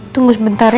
tunggu sebentar ya